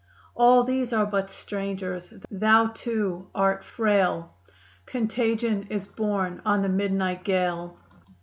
All these are but strangers. Thou, too, art frail; Contagion is borne on the midnight gale.